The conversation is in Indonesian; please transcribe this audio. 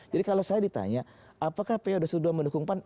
jadi kalau saya ditanya apakah pa dua ratus dua belas mendukung pan